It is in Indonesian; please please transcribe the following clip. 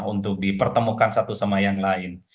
untuk dipertemukan satu sama yang lain